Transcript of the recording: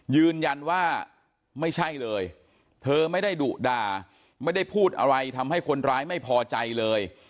ยืนยันว่าไม่ใช่เลยเธอไม่ได้ดุด่าไม่ได้พูดอะไรทำให้คนร้ายไม่พอใจเลย